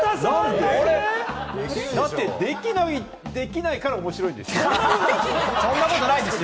だってできないから面白いんそんなことないですよ！